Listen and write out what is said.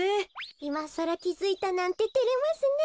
いまさらきづいたなんててれますね。